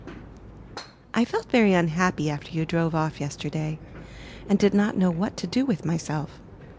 I felt very unhappy after you drove off yesterday, and did not know what to do with myself.